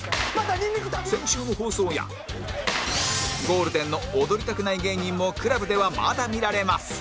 先週の放送やゴールデンの踊りたくない芸人も ＣＬＵＢ ではまだ見られます